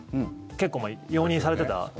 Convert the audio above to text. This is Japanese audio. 結構、容認されてた。